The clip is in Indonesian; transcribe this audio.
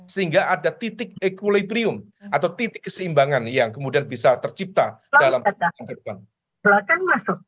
sehingga ada titik equilibrium atau titik keseimbangan yang kemudian bisa tercipta dalam pembangunan ke depan